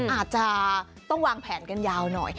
อาจจะต้องวางแผนกันยาวหน่อย